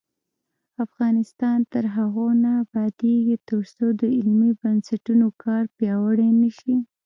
افغانستان تر هغو نه ابادیږي، ترڅو د علمي بنسټونو کار پیاوړی نشي.